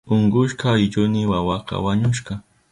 Unkushka allkuyni wawaka wañushka.